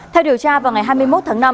theo điều tra vào ngày hai mươi một tháng năm